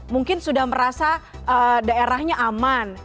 mungkin sudah merasa daerahnya aman